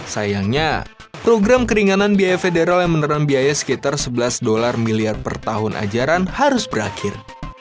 sayangnya program keringanan biaya federal yang menurun biaya sekitar sebelas dolar miliar per tahun ajaran harus berakhir